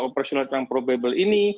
operasional yang probable ini